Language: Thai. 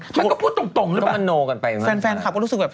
อืมแฟนก็พูดตรงเลยแหละแฟนครับก็รู้สึกแบบ